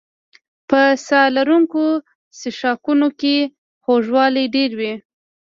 په ساه لرونکو څښاکونو کې خوږوالی ډېر وي.